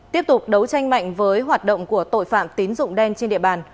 tiếp tục đấu tranh mạnh với hoạt động của tội phạm tín dụng đen trên địa bàn